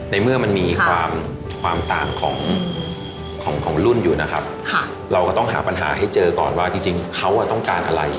ในเมื่อมันมีความต่างของรุ่นอยู่นะครับเราก็ต้องหาปัญหาให้เจอก่อนว่าจริงเขาต้องการอะไร